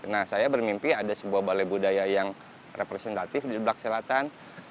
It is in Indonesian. nah saya bermimpi ada sebuah balai budaya yang representatif di belak selatan